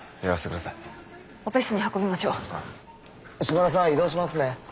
下田さん移動しますね。